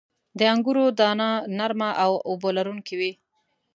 • د انګورو دانه نرمه او اوبه لرونکې وي.